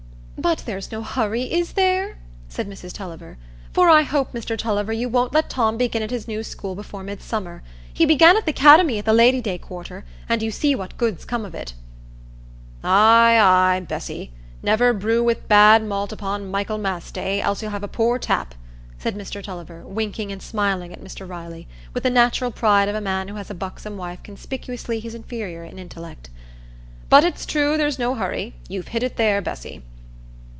"But there's no hurry, is there?" said Mrs Tulliver; "for I hope, Mr Tulliver, you won't let Tom begin at his new school before Midsummer. He began at the 'cademy at the Lady day quarter, and you see what good's come of it." "Ay, ay, Bessy, never brew wi' bad malt upo' Michaelmas day, else you'll have a poor tap," said Mr Tulliver, winking and smiling at Mr Riley, with the natural pride of a man who has a buxom wife conspicuously his inferior in intellect. "But it's true there's no hurry; you've hit it there, Bessy."